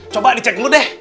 coba dicek dulu deh